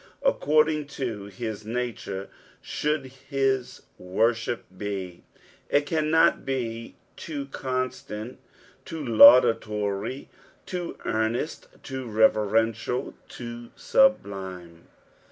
According to hia nature should his worship be ; it cannot be too , constant, too laudatory, too earnest, too reverential, too sublime.